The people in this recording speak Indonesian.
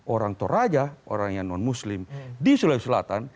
orang toraja orang yang non muslim di sulawesi selatan